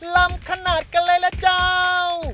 ลำขนาดกันเลยล่ะเจ้า